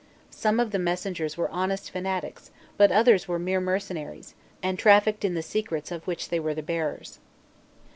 Some of the messengers were honest fanatics; but others were mere mercenaries, and trafficked in the secrets of which they were the bearers.